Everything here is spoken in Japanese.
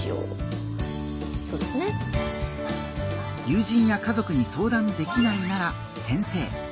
友人や家族に相談できないなら先生。